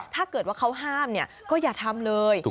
ถ้าเกิดว่าเขาห้ามก็อย่าทำเลย